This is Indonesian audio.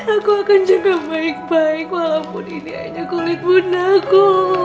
aku akan jadi baik baik walaupun ini hanya kulit bundaku